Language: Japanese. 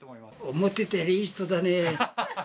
思ってたよりいい人だね。